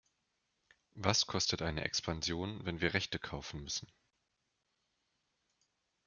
Was kostet eine Expansion, wenn wir Rechte kaufen müssen?